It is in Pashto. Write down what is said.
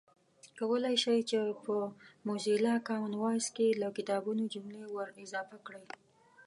کولای شئ چې په موزیلا کامن وایس کې له کتابونو جملې ور اضافه کړئ